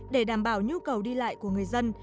để đảm bảo nhu cầu đi lại của người dân